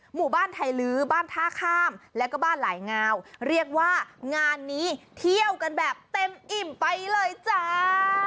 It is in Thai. หมู่บ้านไทยลื้อบ้านท่าข้ามแล้วก็บ้านหลายงาวเรียกว่างานนี้เที่ยวกันแบบเต็มอิ่มไปเลยจ้า